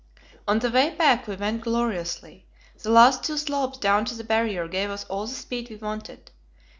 On the way back we went gloriously; the last two slopes down to the Barrier gave us all the speed we wanted.